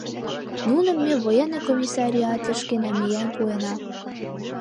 Нуным ме военный комиссариатышке намиен пуэна.